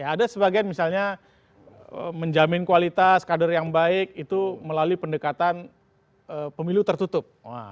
ada sebagian misalnya menjamin kualitas kader yang baik itu melalui pendekatan pemilu tertutup